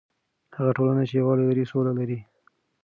هغه ټولنه چې یووالی لري، سوله لري.